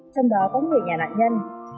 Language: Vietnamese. trong đó có người nhà nạn nhân